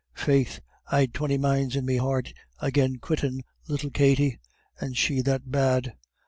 Faith, I'd twenty minds in me heart agin quittin' little Katty, and she that bad.